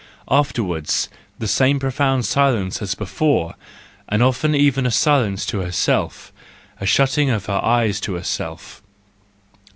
—Afterwards the same profound silence as be¬ fore : and often even a silence to herself, a shutting of her eyes to herself.